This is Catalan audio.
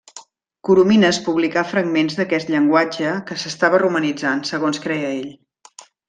Coromines publicà fragments d'aquest llenguatge que s’estava romanitzant, segons creia ell.